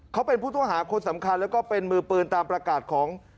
เขาเป็นผู้ต้องหาคนสำคัญแล้วก็เป็นมือปืนตามประกาศของ